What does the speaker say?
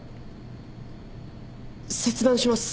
切断します。